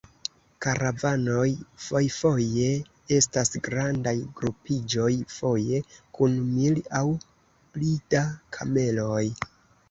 Karavanoj fojfoje estas grandaj grupiĝoj, foje kun mil aŭ pli da kameloj.